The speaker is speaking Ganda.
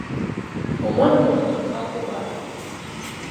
Omwami wange anfaako bambi.